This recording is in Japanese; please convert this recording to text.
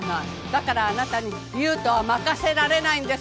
だからあなたに優斗は任せられないんです。